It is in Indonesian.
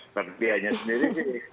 seperti dia sendiri